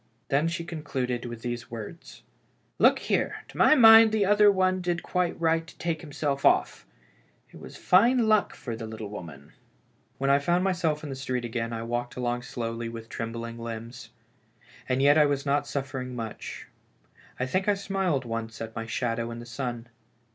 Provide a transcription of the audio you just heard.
Then she concluded with these words : "Look here, to my mind the other one did quite right to take himself oT. It was fine luck for the little woman !" When I found myself in the street again, I walked along slowly with trembling limbs. And yet I was not suffering much ; I think I smiled once at my shadow in the sun.